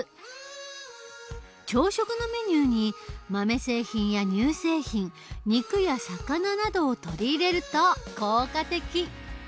朝食のメニューに豆製品や乳製品肉や魚などを取り入れると効果的。